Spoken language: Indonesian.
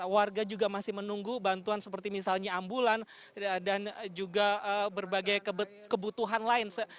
warga juga masih menunggu bantuan seperti misalnya ambulan dan juga berbagai kebutuhan lain